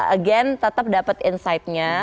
again tetap dapat insightnya